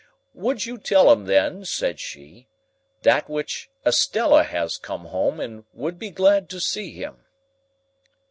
') 'Would you tell him, then,' said she, 'that which Estella has come home and would be glad to see him.